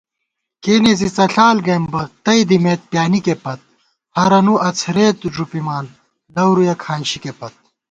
کېنے زی څݪال گَئیم بہ، تئ دِمېت پیانِکےپت * ہرَنُو اڅَھرېت ݫُپِمان لَورُیَہ کھانشِکےپت